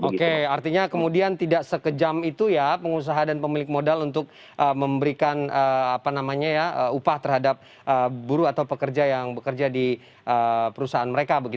oke artinya kemudian tidak sekejam itu ya pengusaha dan pemilik modal untuk memberikan upah terhadap buruh atau pekerja yang bekerja di perusahaan mereka